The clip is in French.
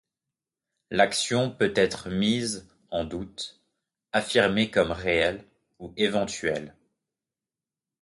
L'action peut être mise en doute, affirmée comme réelle ou éventuelle.